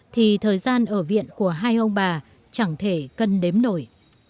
thì thời gian ở viện của hai ông bà chẳng thể cân đếm nổi